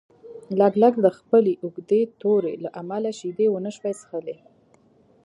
لګلګ د خپلې اوږدې تورې له امله شیدې ونشوای څښلی.